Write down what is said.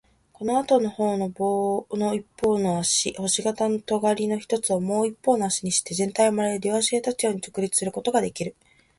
このあとのほうの棒を一方の足、星形のとがりの一つをもう一方の足にして、全体はまるで両足で立つように直立することができる。